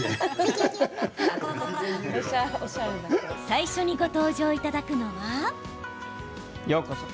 最初にご登場いただくのは。